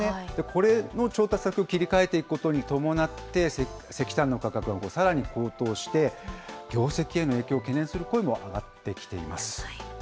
これの調達先を切り替えていくことに伴って、石炭の価格がさらに高騰して、業績への影響を懸念する声も上がってきています。